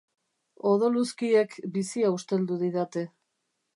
Odoluzkiek bizia usteldu didate.